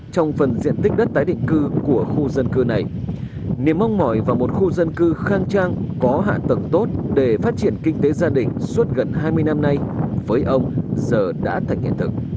trong phần diện tích đất tái định cư của khu dân cư này niềm mong mỏi vào một khu dân cư khang trang có hạ tầng tốt để phát triển kinh tế gia đình suốt gần hai mươi năm nay với ông giờ đã thành hiện thực